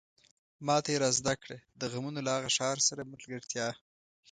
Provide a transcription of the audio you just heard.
ماته يې را زده کړه د غمونو له هغه ښار سره ملګرتيا